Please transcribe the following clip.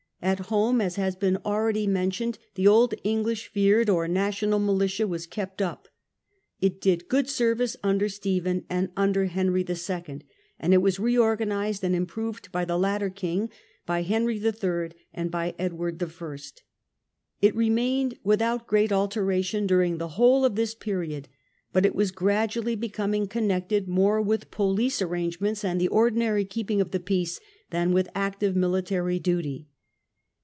At home, as has been already d) national mentioned, the old English fyrd or national •*"'^' militia was kept up. It did good service under Stephen and under Henry II., and it was reorganized and im proved by the latter king, by Henry III., and by Edward I. It remained without great alteration during the whole of this period, but it was gradually becoming connected more with police arrangements and the ordinary keeping of the peace than with active military duty.